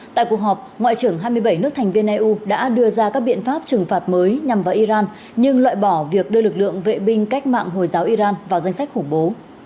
tại cuộc họp ngoại trưởng hai mươi bảy nước thành viên eu đã đưa ra các biện pháp trừng phạt mới nhằm vào iran nhưng loại bỏ việc đưa lực lượng vệ binh cách mạng hồi giáo iran vào danh sách khủng bố